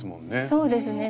そうですね。